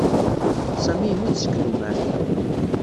Sami yemmut seg tumert.